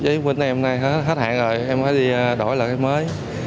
giấy của mình hôm nay hết hạn rồi em phải đi đổi lại cái mới